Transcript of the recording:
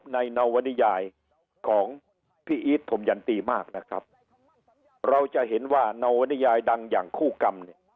นวดิยายดังอย่างคู่กรรม